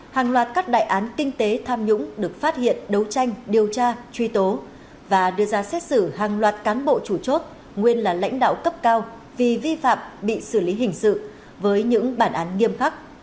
hàng loạt các đại án kinh tế tham nhũng được phát hiện đấu tranh điều tra truy tố và đưa ra xét xử hàng loạt cán bộ chủ chốt nguyên là lãnh đạo cấp cao vì vi phạm bị xử lý hình sự với những bản án nghiêm khắc